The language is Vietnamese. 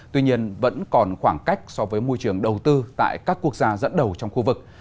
tuy nhiên vẫn còn khoảng cách so với môi trường đầu tư tại các quốc gia dẫn đầu trong khu vực